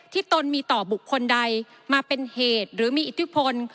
ตนมีต่อบุคคลใดมาเป็นเหตุหรือมีอิทธิพล